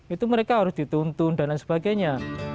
itu mereka harus dituntun dan lain sebagainya